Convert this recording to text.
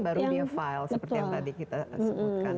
baru bio file seperti yang tadi kita sebutkan